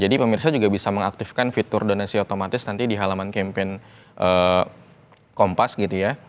jadi kita bisa mengaktifkan fitur donasi otomatis nanti di halaman campaign kompas gitu ya